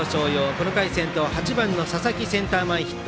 この回先頭８番の佐々木センター前ヒット。